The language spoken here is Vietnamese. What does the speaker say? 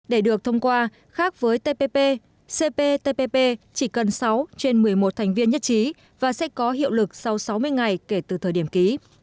để được thông qua khác với tpp cptpp chỉ cần sáu trên một mươi một thành viên nhất trí và sẽ có hiệu lực sau sáu mươi ngày kể từ thời điểm ký